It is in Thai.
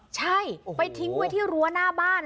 ใช่ไปทิ้งไว้ที่รั้วหน้าบ้าน